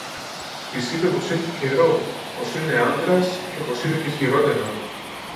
Της είπε πως έχει καιρό, πως είναι άντρας, και πως είδε και χειρότερα